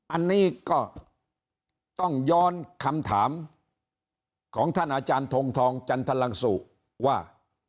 อันนี้ก็ต้องย้อนคำถามของท่านอาจารย์ทงทองจันทรลังสุว่า